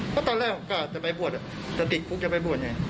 ก็ตอนแรกโอกาสจะไปบวชแต่ติดคลุกจะไปบวช